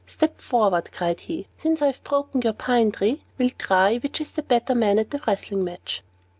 "Step forward," cried he. "Since I've broken your pine tree, we'll try which is the better man at a wrestling match."